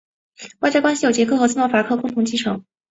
外交关系由捷克和斯洛伐克共同继承。